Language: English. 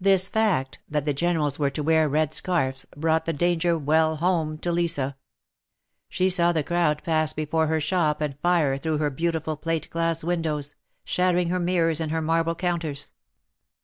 This fact, that the generals were to wear red scarfs, brought the danger well home to Lisa. She saw the crowd pass before her shop and fire through her beautiful plate glass windows, shattering her mirrors and her marble counters.